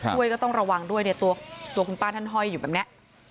ช่วยก็ต้องระวังด้วยเนี่ยตัวคุณป้าท่านห้อยอยู่แบบนี้